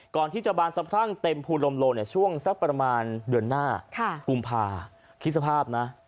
ก่อนที่จะบานสะพรั่งเต็มภูลมโลช่วงสักประมาณเดือนหน้ากุมภาคิดสภาพนะ